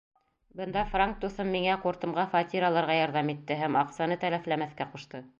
Бында франк дуҫым миңә ҡуртымға фатир алырға ярҙам итте һәм аҡсаны тәләфләмәҫкә ҡушты.